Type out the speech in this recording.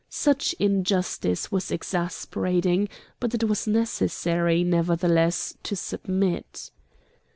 Such injustice was exasperating; but it was necessary, nevertheless, to submit.